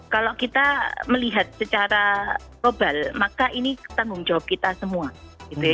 kalau kita melihat secara global maka ini tanggung jawab kita semua gitu ya